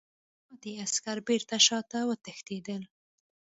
پاتې عسکر بېرته شاته وتښتېدل.